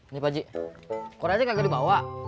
nih pak ji koreanya kagak dibawa